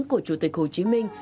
của chủ tịch hồ chí minh